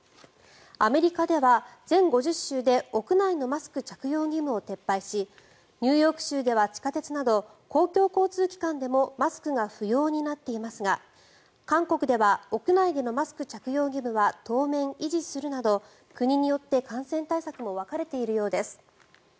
アメリカでは全５０州で屋内のマスク着用義務を撤廃しニューヨーク州では地下鉄など公共交通機関でもマスクが不要になっていますが韓国では屋内でのマスク着用義務は当面維持するなど国によって、感染対策も分かれているようです。